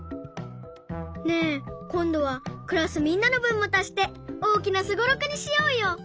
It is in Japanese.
ねえこんどはクラスみんなのぶんもたして大きなスゴロクにしようよ！